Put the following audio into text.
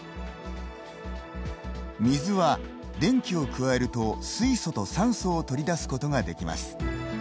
水は、電気を加えると、水素と酸素を取り出すことができます。